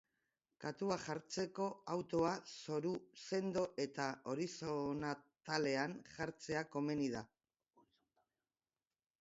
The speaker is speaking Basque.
Katua jartzeko, autoa zoru sendo eta horizonatalean jartzea komeni da.